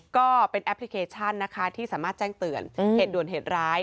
ก็เป็นแอปพลิเคชันนะคะที่สามารถแจ้งเตือนเหตุด่วนเหตุร้าย